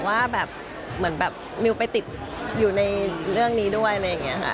ว่าแบบเหมือนแบบมิวไปติดอยู่ในเรื่องนี้ด้วยอะไรอย่างนี้ค่ะ